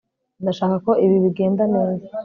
Ndashaka ko ibi bigenda neza